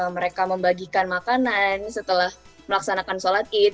mereka membagikan makanan setelah melaksanakan sholat id